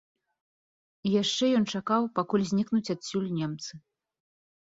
І яшчэ ён чакаў, пакуль знікнуць адсюль немцы.